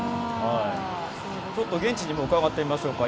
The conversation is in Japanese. ちょっと現地にも伺ってみましょうか。